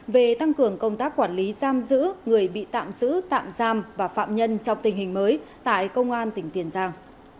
về tăng cường công tác quản lý giam giữ người bị tạm giữ tạm giam và phạm nhân trong tình hình mới tại công an tỉnh tiền giang